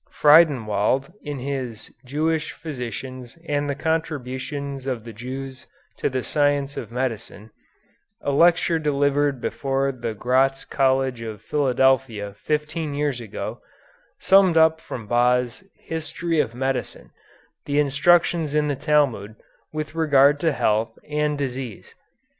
Friedenwald, in his "Jewish Physicians and the Contributions of the Jews to the Science of Medicine," a lecture delivered before the Gratz College of Philadelphia fifteen years ago, summed up from Baas' "History of Medicine" the instructions in the Talmud with regard to health and disease.